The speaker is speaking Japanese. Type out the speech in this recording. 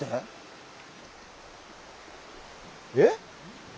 えっ？